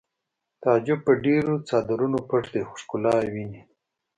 تعجب په ډېرو څادرونو پټ دی خو ښکلا ویني